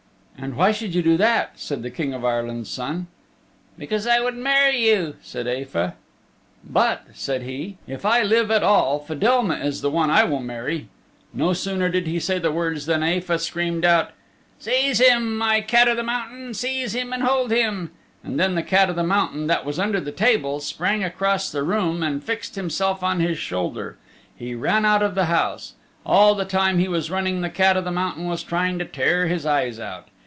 "And why should you do that?" said the King of Ireland's Son. "Because I would marry you," said Aefa. "But," said he, "if I live at all Fedelma is the one I will marry." No sooner did he say the words than Aefa screamed out, "Seize him, my cat o' the mountain. Seize him and hold him." Then the cat o' the mountain that was under the table sprang across the room and fixed himself on his shoulder. He ran out of the house. All the time he was running the cat o' the mountain was trying to tear his eyes out.